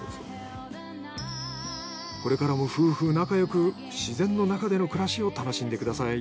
これからも夫婦仲良く自然の中での暮らしを楽しんでください。